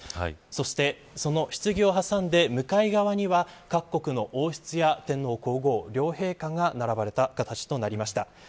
そして、そのひつぎを挟んで向かい側には各国の王室や天皇皇后両陛下が並ばれた形になりました。